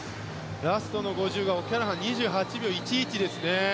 ラストの５０はオキャラハンは２８秒１１ですね。